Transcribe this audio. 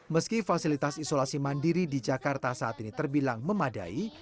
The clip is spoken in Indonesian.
meski fasilitas isolasi mandiri di jakarta saat ini terbilang memadai